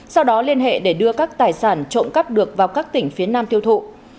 sau đó liên hệ để đưa các tài sản trộm cắp được vào các tỉnh phía nam tiêu thụ